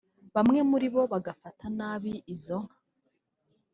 bamwe muri bo bagafata nabi izo nka